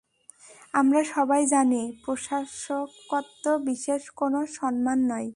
আমরা সবাই জানি, প্রশাসকত্ব বিশেষ কোনও সম্মান নয়।